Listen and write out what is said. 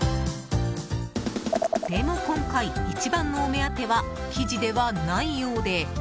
でも今回、一番のお目当ては生地ではないようで。